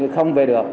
không về được